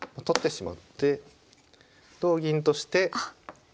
取ってしまって同銀として